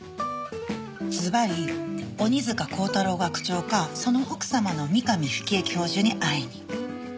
ずばり鬼束鋼太郎学長かその奥様の三上冨貴江教授に会いに。